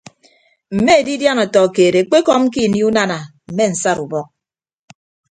Mme edidiana ọtọ keed ekpekọm ke ini unana mme nsat ubọk.